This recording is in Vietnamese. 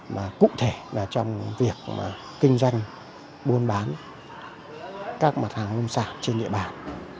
mà cụ thể là trong việc kinh doanh buôn bán các mặt hàng nông sản trên địa bàn